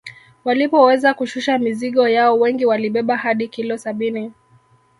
Walipoweza kushusha mizigo yao wengi walibeba hadi kilo sabini